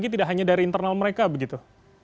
gimana pandangannya dari internal mereka begitu